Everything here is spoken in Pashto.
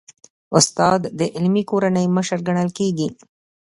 استاد د علمي کورنۍ مشر ګڼل کېږي.